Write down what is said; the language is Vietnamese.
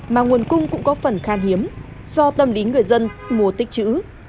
mà nguồn cung cũng có phần khan hiếm do tâm lý người dân mua tích chữ